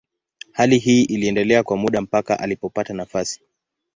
Hali hii iliendelea kwa muda mpaka alipopata nafasi.